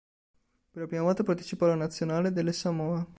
Per la prima volta partecipò la nazionale delle Samoa.